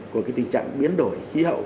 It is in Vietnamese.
của cái tình trạng biến đổi khí hậu